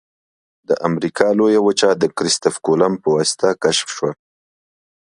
د امریکا لویه وچه د کرستف کولمب په واسطه کشف شوه.